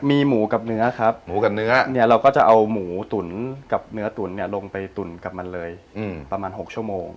มีหมูกับเนื้อครับเราก็จะเอาหมูตุ๋นกับเนื้อตุ๋นลงไปตุ๋นกับมันเลยประมาณ๖ชั่วโมง